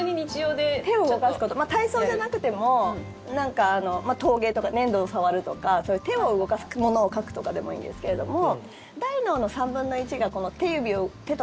手を動かすこと体操じゃなくても陶芸とか、粘土を触るとかそういう手を動かすものを書くとかでもいいんですけれども。